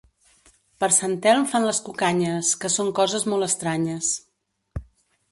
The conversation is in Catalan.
Per Sant Elm fan les cucanyes, que són coses molt estranyes.